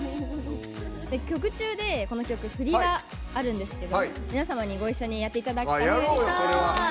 曲中でこの曲、振りがあるんですけど皆様に、ご一緒にやっていただきたくて。